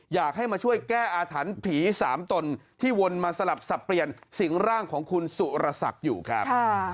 อยากให้มาช่วยแก้อาถรรพ์ผีสามตนที่วนมาสลับสับเปลี่ยนสิงร่างของคุณสุรศักดิ์อยู่ครับ